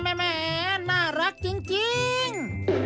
แม่น่ารักจริง